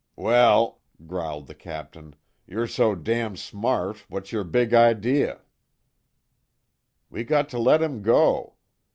"Well," growled the Captain, "Yer so damn smart, what's yer big idee?" "We got to let him go.